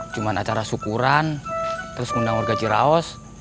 cuma acara syukuran terus ngundang warga ciraus